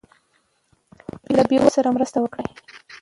له بې وزلو سره مرسته وکړئ.